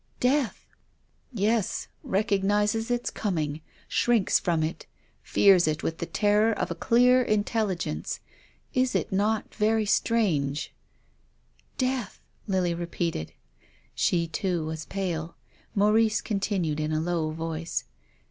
"" Death !" "Yes, recognises its coming, shrinks from it, fears it with the terror of a clear intelligence. Is it not very strange? "" Death !" Lily repeated. She too was pale. Maurice continued in a low voice.